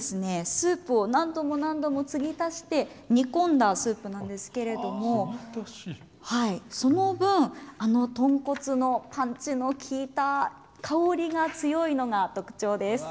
スープを何度も何度も継ぎ足して煮込んだスープなんですけどもその分、とんこつのパンチの効いた香りが強いのが特徴です。